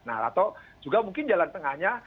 nah atau juga mungkin jalan tengahnya